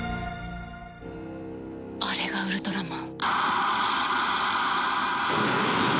あれがウルトラマン。